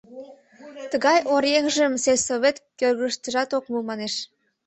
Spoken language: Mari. «Тыгай оръеҥжым сельсовет кӧргыштыжат от му», — манеш.